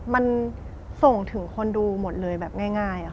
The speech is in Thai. มันส่งถึงคนดูหมดเลยแบบง่าย